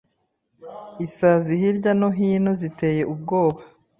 Isazi hirya no hino ziteye ubwoba.